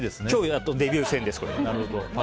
やっとデビュー戦です。